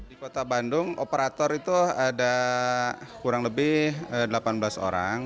di kota bandung operator itu ada kurang lebih delapan belas orang